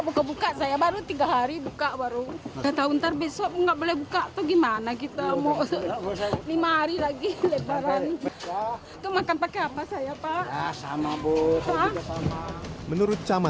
petugasnya tidak bisa mencari nafkah